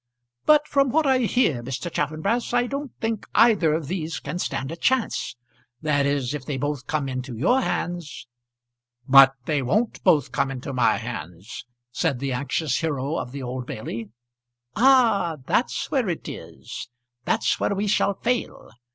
"But from what I hear, Mr. Chaffanbrass, I don't think either of these can stand a chance; that is, if they both come into your hands." "But they won't both come into my hands," said the anxious hero of the Old Bailey. "Ah! that's where it is. That's where we shall fail. Mr.